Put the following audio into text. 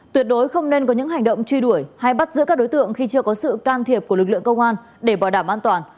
tuyệt đối không nên có những hành động truy đuổi hay bắt giữ các đối tượng khi chưa có sự can thiệp của lực lượng công an để bảo đảm an toàn